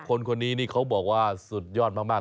คนนี้นี่เขาบอกว่าสุดยอดมาก